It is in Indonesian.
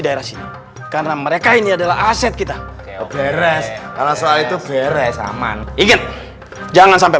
daerah sini karena mereka ini adalah aset kita beres kalau soal itu beres aman ingat jangan sampai